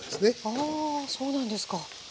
あそうなんですか。